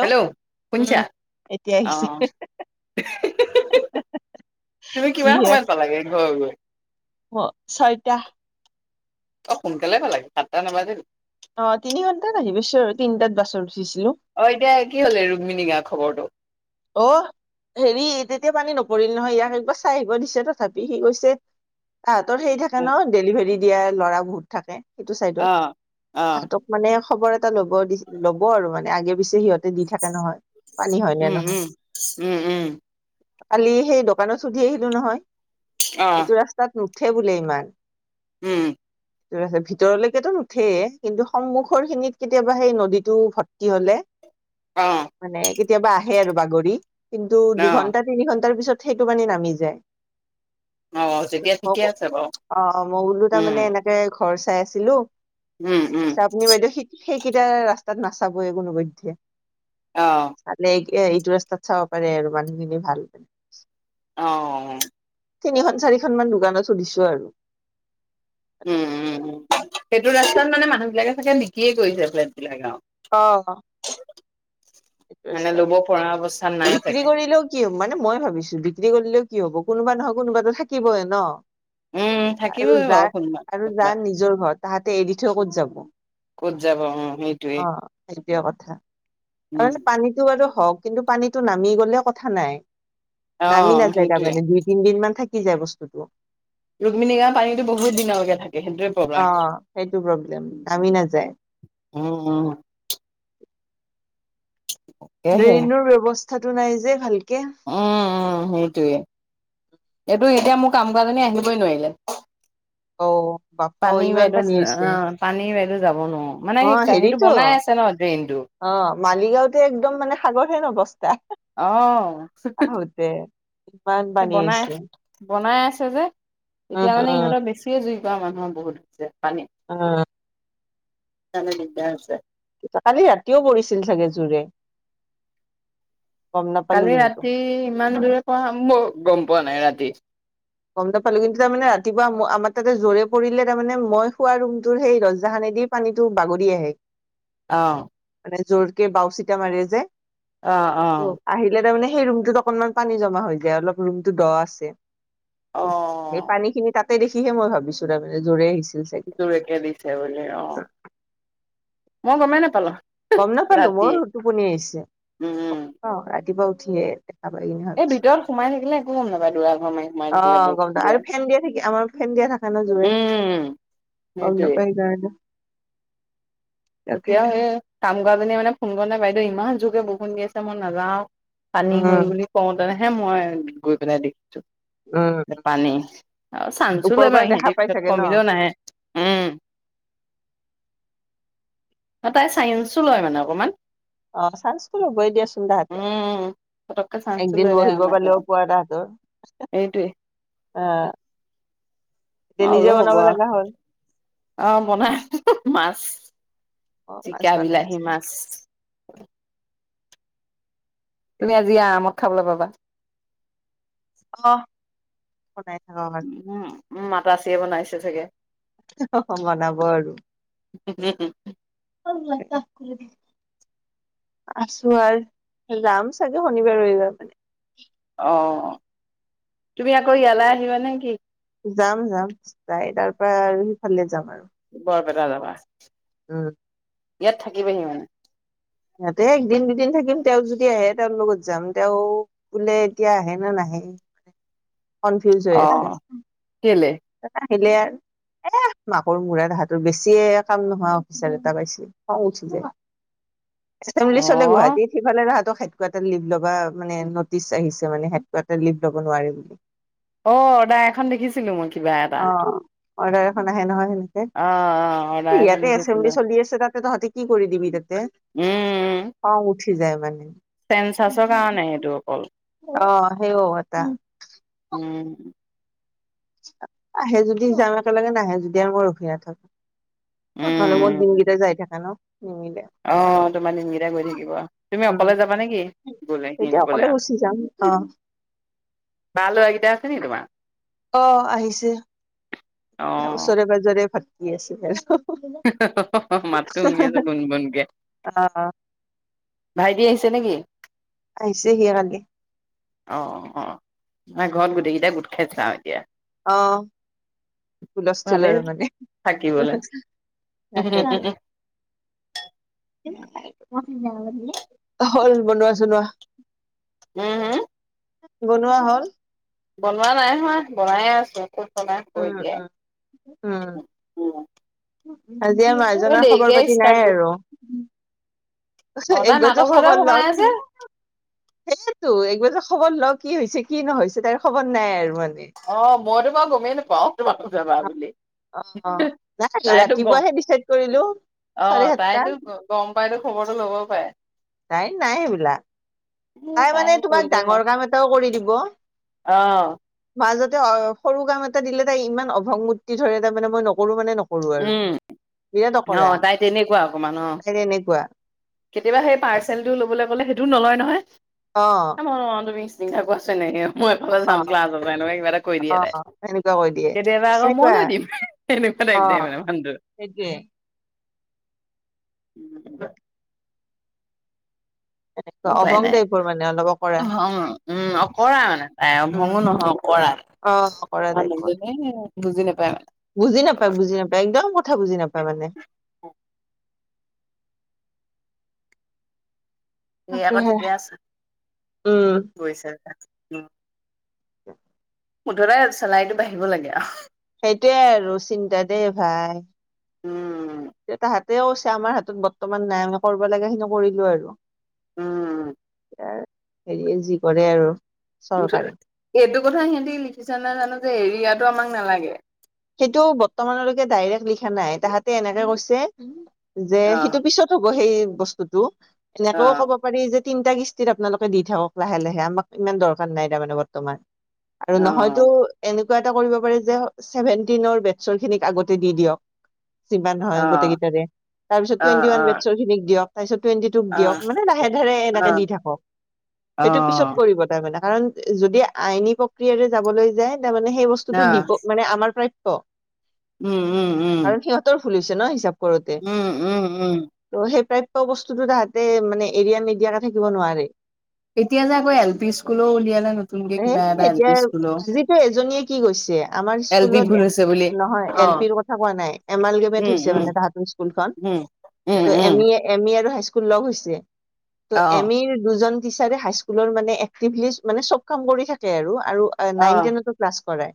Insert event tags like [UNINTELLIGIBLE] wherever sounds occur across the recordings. Hello শুনিছা? উম এতিয়া অ আহিছে তুমি কিমান সময়ত পালাগে ঘৰ গৈ। অ ছয়টা অ সোনকালে পালাগে সাতটা নবাজিল অ তিনি ঘণ্টাত আহিব চ আৰু তিনটাত বাছৰ অ এতিয়া কি হলে ৰুক্মণী গা খবৰটো অ। হেৰি তেতিয়া পানী নপৰিল নহয় ইয়াক একবাৰ চাই আহিব দিছে তথাপি সি গৈছে। তাহাঁতৰ সেই থাকে ন? ডেলিভাৰী দিয়া ল'ৰা বহুত থাকে। সেইটো অ চাইডত অ তাহতক মানে খবৰ এটা লব দি ল'ব আৰু মানে আগে পিছে সিহঁত দি থাকে নহয় পানী হয় নে উম নহয়? উম উম, উম। কালি সেই দোকানত সুধি আহিলো নহয় অ এইটো ৰাস্তাত নুঠে বোলে ইমান। উম। ভিতৰলৈকেতো নুঠেইয়। কিন্তু সন্মুখৰ খিনিত কেতিয়াবা সেই নদীটো ভৰ্তি হলে অ মানে কেতিয়াবা আহে আৰু বাগৰি। কিন্তু দুঘন্টা তিনি ঘন্টাৰ পিছত সেইটো মানে নামি যায়। অ অ যেতিয়া ঠিকে আছে বাৰু মইবোলো তাৰ উম মানে এনেকে ঘৰ চাই আছিলো। উম উম তাৰপাছ আপুনি বাইদেউ স সেইকেইটা ৰাস্তা তাত নাচাব এই [UNINTELLIGIBLE] অ। এ, এইটো ৰাস্তাত চাব পাৰে আৰু মানুহখিনি ভাল। আহ। তিনিখন-চাৰিখন মান দোকানত আছে হোদিছো আৰু। উম, উম, উম সেইটো ৰাস্তাত মানে মানুহ বিলাকে চাগে নিকিয়ে কৰিছে ফ্লেট বিলাক আৰু অ। মানে ৰাস্তা ল'ব পৰা অৱস্থাত নাই ত বিক্ৰী চাগে। কৰিলেও কি হ মানে মই ভাবিছো বিক্ৰী কৰিলেও কি হব কোনোবা নহয় কোনোবাতো থাকিবইে ন। উম আৰু থাকিবই বাৰু কোনোবা যাক আৰু কোনোবা যাৰ নিজৰ ঘৰ তাহাঁতে এৰি থৈ ক'ত যাব? ক'ত যাব। অ' সেইটোৱে। অ সেইটোৱে কথা উম আৰুে পানীটো আৰু হওক কিন্তু পানীটো নামি গলে কথা নাই। অ নামি নাযায় সেইটোয়ে তাৰমানে দুই-তিন দিন মান থাকি যায় বস্তুটো। ৰুক্মিণী গাঁও পানীতো বহুত দিনলৈকে থাকে। সেইটোৱে প্ৰব্লেম অ' সেইটো প্ৰব্লেম নামি নাযায়। উম, উম। তাকেহে ড্ৰেইনৰ ব্যৱস্থাতটো নাই যে ভালকে। উম, উম, সেইটোৱে। এইটো এতিয়া মোক কাম-কাজলে আহিবই নোৱাৰিলে। অ বাপ্পা অ পানীৰ ইমান বাইদেউ পানী হৈছে অ' পানীৰ বাইদেউ যাব নোৱাৰো মানে অ সেইটো হেৰিতো বনাই আছে ন? টো। অ মালিগাঁওতে একদম মানে সাগৰহেন অৱস্থা। আহ, স আহোতে ইমান পানী বনাই আ হৈছে বনাই আছে। যে উম তেতিয়া মানে উম ইহঁতৰ বেছিয়ে জুই কৰা মানুহৰ বহুত হৈছে। পানী অ'। সেইকাৰণে দিগদাৰ আছে। কালি ৰাতিও পৰিছিল চাগে জোৰে। গম নাপালো কালি কিন্তু ৰাতি ইমান দূৰে পৰা মই গম পোৱা নাই ৰাতি। গম নাপালো কিন্তু তাৰ মানে ৰাতিপুৱা। আমাৰ তাতে জোৰে পৰিলে তাৰ মানে মই খোৱা ৰুমটোৰ সেই দৰজাখন দ পানীতো বাগৰি আহে। অ'। মানে জোৰকে বাওচিতা মাৰি যায় অ ত আহিলে তাৰমানে সেই ৰুমটোত অকনমান পানী জমা হৈ যায়। অলপ ৰুমতটো দ আছে। অ অ সেই পানী খিনি তাত। ত দেখিহেই ভাবিছো তাৰমানে জোৰে আহিছে। জোৰেকে দিছে বুলি অ' মই গমেই নোপালো। গম নাপালো, বৰ টোপনি আহিছে। উম ৰাতিপুৱা উঠিয়ে। অ' এই ভিতৰত সোমাই থাকিলে একো গম নাপায় দৰা ঘৰ মাৰি সোমাই থাকিলে বৰষুণ গম দিওঁ দিয়াত আৰু ফেন দিয়ে থাকি আমাৰ। স দিয়া থাকা ন জোৰে গম সেইটোৱে নাপায় সেইকাৰণে। তাকে। এতিয়াও সেই কাম কৰা জনিয়ে মানে ফোন কৰ নাই বাইদেউ ইমান জোকে বৰষুণ দি আছে মই নাযাওঁ‌। পানী হৈ উম বুলি কওঁতেনেহে মই গৈ পেলাই দেখিছো। উম পানী আৰু চানচো ওপৰৰ লবা পৰা দেখা সিহঁতিৰ পাই পিছত চাগে ন কমিলেও নাহে উম। [INAUDIBLE] অ' তাই চায়েন্সো লয় মানে অকণমান। আহ চাঞ্চ টো লবই দিয়াচোন তাহাতে। উম পতককে চান্সটো একদিন লৈ লয় আৰু বহিব পালেও নাযাওঁ পোৱা তাহতৰ এইটোৱে আহ এতিয়া মই বোলো নিজে হ'ব বনাব আৰু লগা হ'ল। অ' বনাই আছো মাছ অ মাছ জিকা বনাই বিলাহী আছে মাছ। [INAUDIBLE] তুমি আজি আৰামত খাবলৈ পাবা। আহ বনাই থাকাৰ উম মাত্ৰ আ চিয়ে বনাইছে চাগে। বনাব আৰু। উম উম উম উম। অে ত [UNINTELLIGIBLE] আছো আৰু যাম চাগে শনিবাৰ ৰবিবাৰ মানে। অ' তুমি আকৌ ইয়ালৈ আহিবা নেকি? যাম যাম যাই তাৰ পৰা আৰু সিফালে যাম আৰু বৰপেটা যাব আছে। উম ইয়াত থাকিবাহি মানে। ইিহঁতে একদিন দুদিন থাকিম তেওঁ যদি আহে তেওঁৰ লগত যাম তেওঁ বোলে এতিয়া আহে নে নাহে। [INAUDIBLE] কনফিউজ হৈ আছে অ', কেলে? আহিলে আৰু এ মাকৰ মুৰা দোহাৰ বেছিয়ে কাম নোহোৱা অফিচাৰ এটা পাইছিল খং উঠি যে। অ', এচেম্বলি চলে গুৱাহাটীত সেইফালে তাহাঁতক হাইতক এটা লিভ ল'বা মানে নটিচ আহিছে মানে সাইতক এটা লিভ ল'ব নোৱাৰে বুলি। অ' অৰ্ডাৰ এখন দেখিছিলো মই কিবা এটা। অ অৰ্ডাৰ এখন আহে নহয়। অ', অ', অৰ্ডাৰ সেনেকে এখন ইয়াতে দেখিছিলো। এচেম্বলি চলি আছে তাত। ত তহতি কি কৰি দিবি তাতে খং উঠি যায় মানে। চেন্ঞ্চাছৰ কাৰণে সেইটো অকল। হ অ' এটা। উম, আহে যদি যাম। একেলগে নাহে যদি আৰু মই ৰখি নাথাকো। থলে মোৰ উম, দিনগিটা যাই থাকে ন। নিমিলে অ তোমাৰ দিনকেইটাই গৈ থাকিব তুমি উম অকলে যাবা নেকি গলে সি তেতিয়া অকলে নগলে আৰু গুচি যাম অ ভাল হোৱা কেইটা আছে নেকি তোমাৰ অ আহিছে এ অ', ওচৰে পাজৰে ভাটি আছে আৰু মাতটো শুনি আছো গুণ গুণকে অ ভাইটি আহিছে। তে নেকি আহিছে হি কালি অ অ ম ঘৰত গোটেইকেইটাই গোট খাই চাওঁ এতিয়া আহ হুলস্থুল ভালেই আৰু মানে থাকিবলে। তাকেতো [UNINTELLIGIBLE] হল বনোৱা চনোৱা উম হম বনোৱা হ'ল। বনোৱা নাই হয় বনাই আছো আকৌ কৰি উম দিয়ে উম উম উম আজি আ মাৰজাৰ খবৰ পাতি নাই কৰি আৰু অ তাই এইজৰ মাকৰ ঘৰতে খবৰ সোমাই লও আছে কি সেইটো ক খবৰ ল কি হৈছে কি নহৈছে তাৰ খবৰ নাই আৰু মানে অ মইৰো ম গমেই নপাওঁ তুমি জানা বুলি অ নথাকে তাইতো গ ৰাতিপুৱাহে ডিচাইড কৰিলো অ চাৰে সাতটা তাইতো গম পাইতো খবৰটো ল'বও পাৰে তাই নাই সেইবিলাক তাই মানে তাইৰ তোমাক প্ৰয়োজন ডাঙৰ কাম এটাও কৰি দিব অঁ মাজতে সৰু কাম এটা দিলে তাই ইমান অভংমূৰ্তি ধৰে তাৰ মই মানে মই নকৰো মানে ন কৰোঁ আৰু উম বিৰাট অ অকৰা তাই তেনেকুৱা অকমান অ তেনেকুৱা কেতিয়াবা সেই পাৰ্চেলটো লবলৈ কলে সেইটোও নলয় নহয়। অ চিন্তা আছে নাই মই এফালে অ চাম ক্লাছৰ পৰা এনেকুৱা কিবা এটা কৈ দিয়ে অ তাই সেনেকুৱা কৈ দিয়ে কেতিয়াবা আকৌ সেনেকুৱা মনো দিম কিবা এক টাইপৰ মানুহ টো সেইটোৱে উম। তেনেকুৱা উপাই অভং নাই টাইপৰ মানে অলপ অকৰা ভং উম অকৰা মানে তাই অভং উম নহয় অকৰা অ কৰা তাই পোৱা মানুহজনী বুজি নাপায় মানে বুজি নাপায় বুজি নাপায় একদম কথা বুজি নাপায় মানে স আকৌ তাকেহে ঠিকে আছে উম গৈছে ক মুঠতে চেলাইটো বাঢ়িব লাগে আৰু সেইটোৱে আৰু চিন্তা দেই ভাইষ উম। তেতা হাতেওছে আমাৰ হাতত বৰ্তমান নাই আম কৰিব লগাগে সিনি কৰিলো আৰু উম। হেৰি যি কৰে আৰু চৰকাৰে এইটো কথা সিহঁতি লিখিছ নে জানো যে এৰিয়াতটো আমাক নালাগে সেইটো বৰ্তমানলৈকে ডাইৰেক্ট লিখা নাই তাহাতে এনেকে কৈছে যে অ সেইটো পিছত হ'ব সেই বস্তুতটো অ এনেকেও ক'ব পাৰি যে তিনিটা কিস্তিত আপোনালোকে দি থাকক লাহে লাহে আমাক ইমান দৰকাৰ নাই তাৰমানে বৰ্তমান আৰু অ নহয়তো এনেকুৱা এটা কৰিব পাৰি যে ছেভেন্টিনৰ বেটছৰ খিনিক আগতে দি দিয়ক যিমান নহয় অ অ গোটকেইটাৰে তাৰপিছত অ টুৱেটি ৱান মে খিক দিয়ক তাৰপিত টুৱেণ্টি টুক অ অ দিয়ক। মানে লাহে ধৰে অ এনেকে দি থাকক। অ সেইটো পিছত কৰিব তাই মানে। কাৰণ যদি আইনী প্ৰক্ৰিয়াৰে যাবলৈ যায়, তাৰমানে সেই অ বস্তুটো দিব, মানে আমাৰ প্ৰাপ্য। উম - উম - উম। কাৰণ সিহঁতৰ ভুল হৈছে ন', হিচাপ কৰোঁতে। উম উম উম তো সেই প্ৰা প্য বস্তুটো তাহাঁতে মানে, এৰিয়া নেদিয়াকে থাকিব নোৱাৰে। এতিয়া যে আকৌ এল পি স্কুলেও উলিয়ালে। নতুনকে এ কিবা এটা এল পি স্কুলো। যে আমাৰ স্কুল এল পি স্কুলত ভুল হৈছে বুলি এ- নহয়, অ এল পিৰ কথা কোৱা নাই। এমলগেমেট উম হৈছে উম মানে তাহাঁতৰ স্কুলখন। উম উম তো উম এম ই- এম ই আৰু হাইস্কুল লগ হৈছে। তো অ এম ইৰ দুজন টিচাৰে হাইস্কুলৰ মানে এক্টিভিষ্ট। মানে চব কাম কৰি থাকে আৰু - আৰু অ নাইন টেনতো ক্লাছ কৰায়।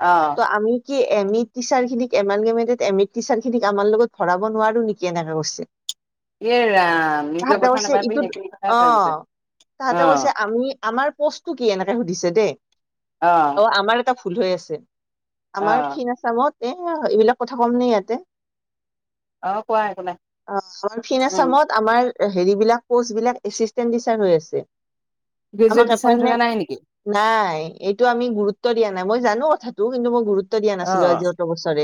অ তো আমি কি এম ই টিচাৰখিনিক এমালগেমেটেট এম ই টিচাৰখিনিক আমাৰ লগত ভৰাব নোৱাৰোঁ নেকি, এনেকে কৈছে। ইয়ে ৰাম, নিজে তাহাঁতে কথা নাপাতি ইটোত সেইটো কথাই অ পা [UNINTELLIGIBLE] ছে। তাহাঁতে কৈছে, আমি- আমাৰ পোস্তটো কি এনেকে সুধিছে দে। অ' আমাৰ এটা ভুল হৈ আছে। অ আমাৰ ফিন আছামত এ এইবিলাক কথা কমনে ইয়াতে। অ কোৱা একো নাই অ' আৰু ফিন উম আছামত আমাৰ এ হেৰিবিলাক- পোস্তবিলাক এছিষ্টেণ্ট টিচাৰ হৈ আছে। গ্ৰেজুৱেট আমাক টিচাৰ হৈ থকা এপইনমেণ্ট- নাই নেকি নাই, এইটো আমি গুৰুত্ব দিয়া নাই। মই জানো কথা টো। কিন্তু মই গুৰুত্ব দিয়া অ নাছিলোঁ, আজি অত বছৰে।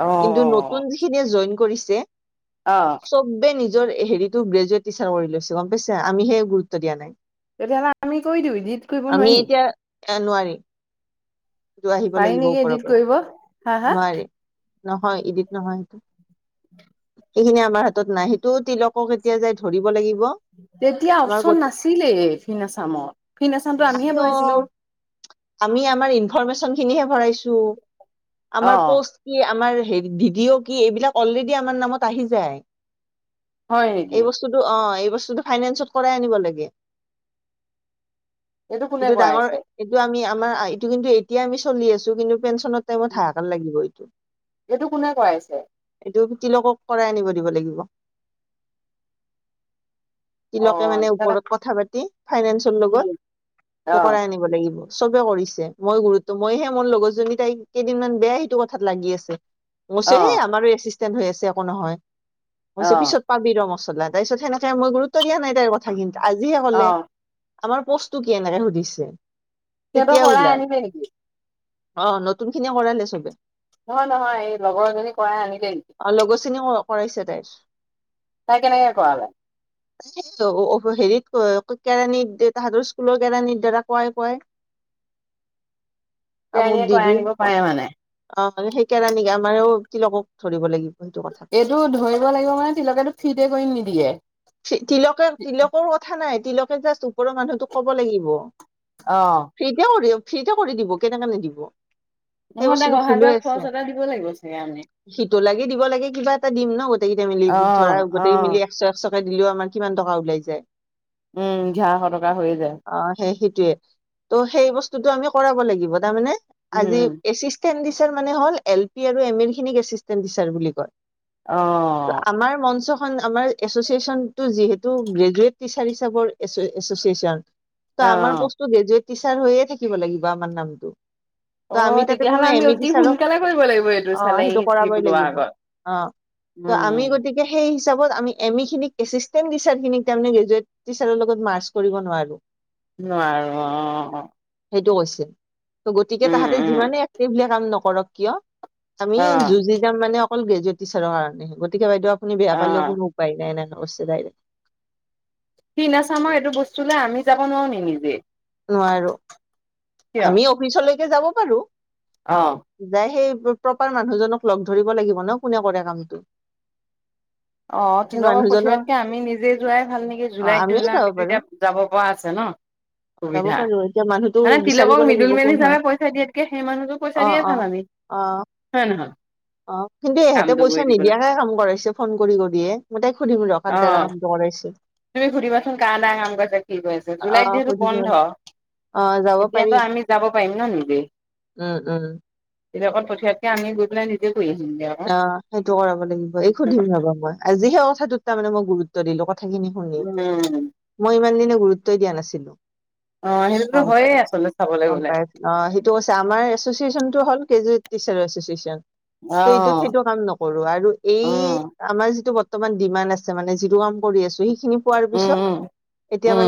অ কিন্তু নতুন যিখিনিয়ে জইন কৰিছ যে, অ চব্বে নিজ জৰ এ- হেৰিটো গ্ৰেজুৱেট টিচাৰ কৰি লৈছে, গম পাইছে? আমিহে গুৰুত্ব দিয়া নাই। তেতিয়াহ'লে আমি কৰি দিওঁ। ইডিট কৰিব আমি নোৱাৰি নেকি? এতিয়া এ নোৱাৰি। সেইটো আহিব পাৰি লাগিব নেকি ওপৰৰ এডিট পৰা। কৰিব হা হা নোৱাৰে। নহয়, ইডিত নহয় সেইটো। [INAUDIBLE] সেইখিনি আমাৰ হাতত নাই। সেইটো তিলকক এতিয়া যায় ধৰিব লাগি তেতিয়া অপশন নাছিলেই ফিন আছামত। ফিন আছামটো নাই আমিহে অ ভৰাইছিলোঁ। আমি আমাৰ ইনফৰমেশনখিনিহে ভৰাইছোঁ। অ আমাৰ পোষ্ট কি, আমাৰ হেৰি ডি ডি অ' কি, এইবিলাক অলৰেডি আমাৰ নামত আহি যায়। হয় নেকি এই বস্তুটো অ'- এই বস্তুটো ফাইনেন্সত কৰাই আনিব লাগে। কোনে এইটো কৰাইছে ডাঙৰ- এইটো আমি আমাৰ- এইটো কিন্তু এতিয়া আমি চলি আছোঁ। কিন্তু পেঞ্চনৰ টাইমত হাহাকাৰ লাগিব এইটো। এইটো কোনে কৰাইছে এইটো তিলকক কৰাই আনিব দিব লাগিব। অ তিলকে মানে ওপৰত কথা পাতি ফাইনেন্সৰ লগত, অ এইটো কৰাই আনিব লাগিব। চবে কৰিছে। মই গুৰুত্ব- মইহে মোৰ লগৰজনী তাই কেইদিনমান বেয়া সেইটো কথাত লাগি আছে। অ কৈছে, হেই আমাৰো এছিষ্টেণ্ট হৈ আছে, একো নহয়। কৈছোঁ, অ পিছত পাবি ৰ' মছলা। তাৰপিছত সেনেকে মই গুৰুত্ব দিয়া নাই তাইৰ কথাখিনিটো। আজিহে অ ক'লে। আমাৰ পোস্তটো কি এনেকে সুধিছে। তেতিয়া সিহঁতৰ কৰাই ওলাল আনিলে নেকি? অ', নতুনখিনিয়ে কৰালে চবে। নহয় - নহয়। এই লগৰজনী কৰাই আনিলে নেকি? লগৰ চিনি অ' কৰাইছে তাইৰ। তাই কেনেকে কৰালে? [UNINTELLIGIBLE] হেৰিত ক- কেৰাণী- তাহাঁতৰ স্কুলৰ কেৰাণীৰ দ্বাৰা কোৱাই - কোৱাই। [INAUDIBLE] কামোৰ তেৰাণীয়ে দি কৰাই - দি। আনিব অ', পাৰে মানে সেই কেৰাণী আমাৰো তিলকক ধৰিব লাগিব। সেইটো কথা এইটো ধৰিব লাগিব মানে, তিলকেটো ফ্ৰিতে কৰি নিদিয়ে। তিলকে- তিলকৰ কথা নাই। তিলকে জাষ্ট ওপৰৰ মানুহটোক কব লাগিব। অ ফ্ৰীতে কৰিম ফ্ৰিতে কৰি দিব কেনেকে নিদিব। সেই নহয় তাক বস্তুটো অহা যোৱা খৰচ এটা দিব লাগিব চাগে আমি। সিটো লাগে দিব লাগে কিবা এটা দিম ন গোটেই কেইটা মিলি অ ধৰা অ গোটেই মিলি একশ একশ। দিলেও আমাৰ কিমান টকা ওলাই যায়। উম ঝাশ টকা হৈয়ে যায়। তে ত হেই বস্তুটো আমি কৰাব লাগিব তামানে আজি উম এচিষ্টেন দিছ। মানে হল এল পি আৰু এম এম খিনিক আছিষ্টেন টিচাৰ বুলি কয়। ত অ আমাৰ মঞ্চ। খন আমাৰ এছচিয়চন টো যিহেতু গ্ৰেজুৱট টিচাৰ হিচৰ এচ এছচিয়েচন। ত আমাৰ অ', পোষ্ট টো গ্ৰেজুৱট টিচাৰ হৈয়ে থাকিব লাগিব আমাৰ নামটো। ত অ', আমি তাতে তেতিয়াহ'লে কোনে আমি এমি অতি বিচাৰো সোনকালে কৰিব লাগিব এইটো অ চেলেঙি সেইটো হিচকি কৰাবই বলোৱাৰ লাগিব। আগত। অ ত আমি উম, গতিকে সেই। খ আমি এমি খিনিক আচিষ্টেন টিচাৰ খিনিক গ্ৰেজুৱট টিচাৰ লগত মাৰ্চ কৰিব নোৱাৰো। নোৱাৰো অ। সেইটো কৈছিল গতিকে উম, তাহাঁতে উম, যিমানে এক্টিভল কাম নকৰক কিয়। আমি অ', যুঁজি যাম মানে অকল গ্ৰেজুৱেট টিচাৰৰ কাৰণে গতিকে বাইদেউ। শুনি বেয়া পাৰ লও অ', কোনো উপায় নাই ন অৱশ্যে বাইৰে। সি নাচামৰ এইটো বস্তু লৈ আমি যাব নোৱাৰো নি নিজে। নোৱাৰো কিয়? আমি অফিচলৈকে যাব পাৰো। অ', যায়ে। প্ৰপাৰ মানুহজনক লগ ধৰিব লাগিব ন কোনে কৰে কামটো। অ সেই তিলকক মানুহজনৰ পঠিওৱাতকে আমি নিজে যোৱাই ভাল নেকি অ জুলাইত ধৰি আমিও লোৱা যাব আমিতো পাৰো এতিয়া যাব পৰা আছে ন।। [UNINTELLIGIBLE] যাব সুবিধা পাৰো এতিয়া মানুহটো মানে বিচাৰিব তিলোকক লাগিব মিডিল মেন কোন হয় হিচাপে পইচা দিয়াতকে সেই মানুহটো অ পইচা দিয়ে অ ভাল আমি। অ। হয় নহয়? অ কিন্তু ইহেঁতে কামটো পইচা কৰি দিবলৈ নিদিয়াকে কাম কৰাইছে ফোন কৰি কৰি। দিয়ে মই তাই সুধিম ৰখাত দাৰা অ', কামটোই। তুমি ঘৰি বচন ক না আম চাগ। কি কৈছে অ জুলাইত যিহেতু সুধিম বন্ধ ৰবা অ যাব পাৰি তেতিয়াতো আমি যাব পাৰিম ন নিজেই। উম উম। বেলেকত পঠিয়াতকে আনি গৈ পেলাই নিজে। কৰি আহিমগে আকৌ। অ সেইটো কৰাব লাগিব এই সুধিম ভাবা মই আজি সেই কথাটোত তাৰ মানে মই গুৰুত্ব দিলো ক। কথাখিনি শুনি উম। মই ইমান দিনে গুৰুত্ব দিয়া নাছিলো। অ। সেইটোতো গম হয়য়ে পাইছ আচলতে চাবলৈ গম গ'লে। পাইছ অ সেইটো কছে আমাৰ এছচিয়েচনতটো হল কেজুৱ। চ এই অ', সেইটো কাম নকৰো আৰু এই অ', আমাৰ যিটো। বৰ্তমান ডিমাড আছে মানে যি কাম কৰি আছো সেইখিনি পোৱাৰ উম, পিছত উম। এতিয়া মানে। উম।